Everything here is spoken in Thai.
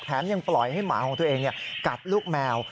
ยังปล่อยให้หมาของตัวเองกัดลูกแมว